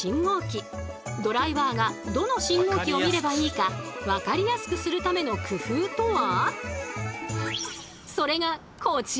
ドライバーがどの信号機を見ればいいかわかりやすくするための工夫とは？